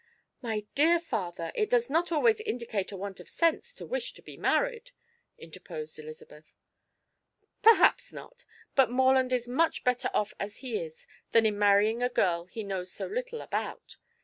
"My dear father, it does not always indicate a want of sense to wish to be married," interposed Elizabeth. "Perhaps not, but Morland is much better off as he is than in marrying a girl he knows so little about.